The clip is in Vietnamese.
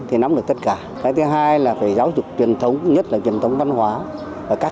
thì nắm được tất cả cái thứ hai là phải giáo dục truyền thống nhất là truyền thống văn hóa và các